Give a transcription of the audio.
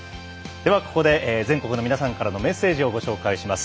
では、ここで全国の皆さんからのメッセージをご紹介します。